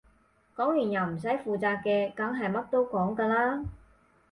講完又唔使負責嘅梗係乜都講㗎啦